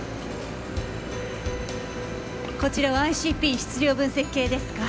こちらはＩＣＰ質量分析計ですか？